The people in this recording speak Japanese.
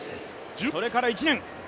それから１年。